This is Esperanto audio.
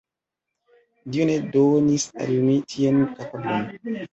Dio ne donis al mi tian kapablon.